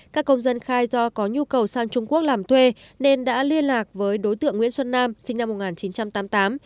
các công dân khai do có nhu cầu sang trung quốc làm thuê nên đã liên lạc với đối tượng nguyễn xuân nam sinh năm một nghìn chín trăm tám mươi tám